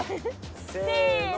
せの。